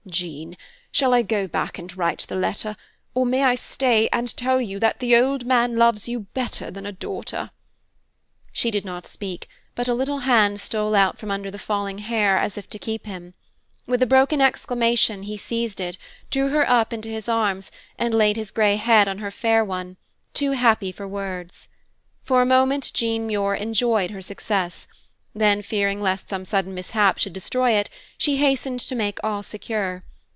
"Jean, shall I go back and write the letter, or may I stay and tell you that the old man loves you better than a daughter?" She did not speak, but a little hand stole out from under the falling hair, as if to keep him. With a broken exclamation he seized it, drew her up into his arms, and laid his gray head on her fair one, too happy for words. For a moment Jean Muir enjoyed her success; then, fearing lest some sudden mishap should destroy it, she hastened to make all secure.